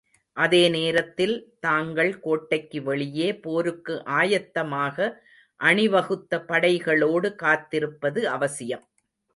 அதே நேரத்தில் தாங்கள் கோட்டைக்கு வெளியே போருக்கு ஆயத்தமாக அணிவகுத்த படைகளோடு காத்திருப்பது அவசியம்.